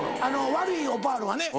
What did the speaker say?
悪いオパールはね。